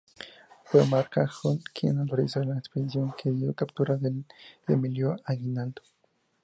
Fue MacArthur quien autoriza la expedición que dio captura del a Emilio Aguinaldo.